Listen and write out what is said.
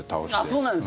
そうなんですか？